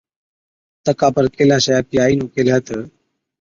تڪا پَر ڪيلاشَي آپڪِي آئِي نُون ڪيهلَي تہ،